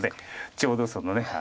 ちょうどその。